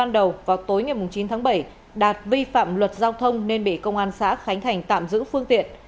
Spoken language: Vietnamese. đạt vi phạm luật giao thông nên bị công an xã khánh thành tạm giữ phương tiện